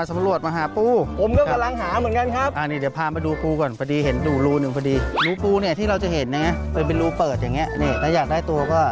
สวัสดีครับโอ้โฮ